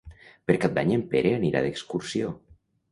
Per Cap d'Any en Pere anirà d'excursió.